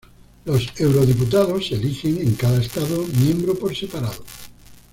Los eurodiputados se eligen en cada Estado miembro por separado.